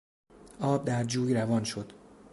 آب در جوی روان شد.